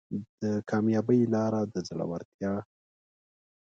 د کامیابۍ لاره د زړورتیا